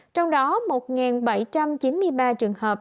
trong đó một bảy trăm chín mươi ba trường hợp